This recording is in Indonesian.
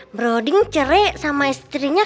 broding cerai sama istrinya